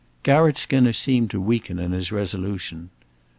Garratt Skinner seemed to weaken in his resolution.